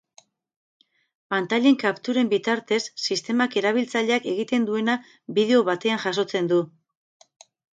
Pantailen kapturen bitartez, sistemak erabiltzaileak egiten duena bideo batean jasotzen du.